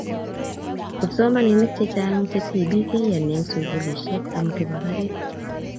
kipsomaninik chechang che tipik keyonei eng sukulisiek am kipa karik